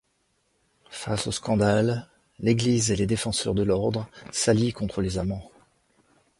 Face au scandale, l'Église et les défenseurs de l'ordre s'allient contre les amants...